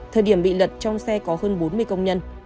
thời điểm bị lật trong xe có hơn bốn mươi công nhân